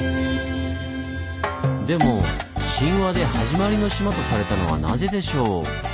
でも神話で「はじまりの島」とされたのはなぜでしょう？